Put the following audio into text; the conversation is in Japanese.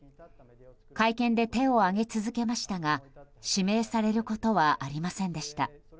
会見で手を挙げ続けましたが指名されることはありませんでした。